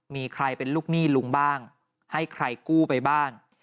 มีใครเป็นลูกหนี้ลุงบ้างให้ใครกู้ไปบ้าง